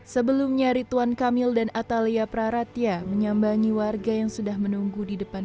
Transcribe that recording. sebelumnya rituan kamil dan atalia praratia menyambangi warga yang sudah menunggu di depan